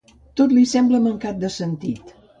Tot li semblava mancat de sentit.